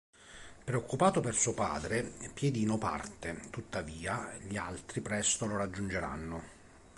Preoccupato per suo padre, Piedino parte, tuttavia, gli altri presto lo raggiungeranno.